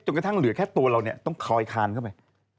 กระทั่งเหลือแค่ตัวเราเนี่ยต้องคอยคานเข้าไป